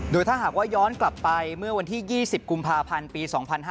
โดยถ้าหากว่าย้อนกลับไปเมื่อวันที่๒๐กุมภาพันธ์ปี๒๕๕๙